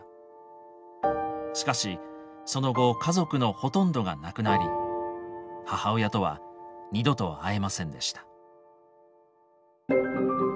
しかしその後家族のほとんどが亡くなり母親とは二度と会えませんでした。